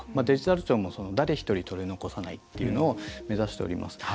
デジタル庁も「誰一人取り残さない」っていうのを目指しております。